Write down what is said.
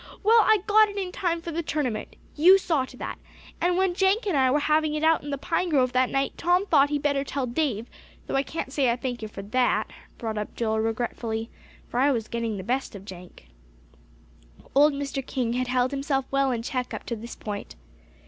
Well, I got it in time for the tournament. You saw to that. And when Jenk and I were having it out in the pine grove that night, Tom thought he better tell Dave; though I can't say I thank you for that," brought up Joel regretfully, "for I was getting the best of Jenk." Old Mr. King had held himself well in check up to this point.